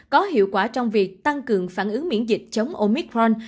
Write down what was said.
có hiệu quả trong việc tăng cường phản ứng miễn dịch chống oicron